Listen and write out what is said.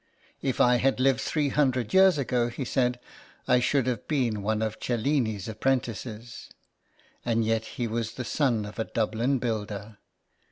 If I had lived three hundred years ago,*' he said, " I should have been one of Cellini's apprentices." And yet he was the son of a Dublin builder